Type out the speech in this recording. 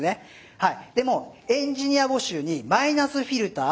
はい。